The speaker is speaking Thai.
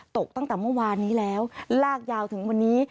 ตกตั้งแต่เมื่อวานนี้แล้วลากยาวถึงวันนี้